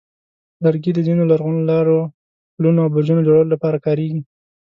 لرګي د ځینو لرغونو لارو، پلونو، او برجونو جوړولو لپاره کارېږي.